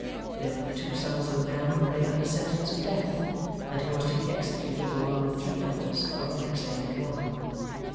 There were the two sons of a man who lay under sentence of death, and who was to be executed along with three others, on the next day but one.